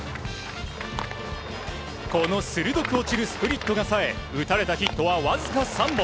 この鋭く落ちるスプリットがさえ打たれたヒットはわずか３本。